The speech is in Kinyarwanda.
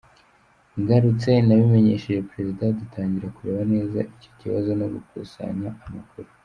Ngarutse nabimenyesheje Perezida dutangira kureba neza icyo kibazo no gukusanya amakuru.”